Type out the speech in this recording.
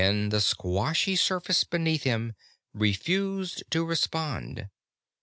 Again the squashy surface beneath him refused to respond.